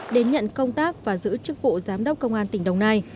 đến nhận công tác và giữ chức vụ giám đốc công an tỉnh đồng nai